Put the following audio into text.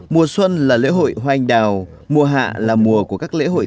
mùa xuân là lễ hội hoa anh đào mùa hạ là mùa của các lễ hội